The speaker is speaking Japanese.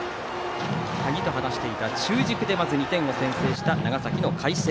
鍵と話していた中軸でまず２点を先制した長崎の海星。